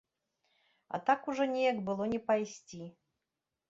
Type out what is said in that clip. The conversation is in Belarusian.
А так ужо неяк было не пайсці.